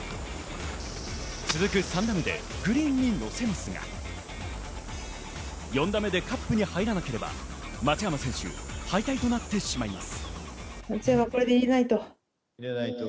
続く３打目でグリーンに乗せますが、４打目でカップに入らなければ、松山選手、敗退となってしまいます。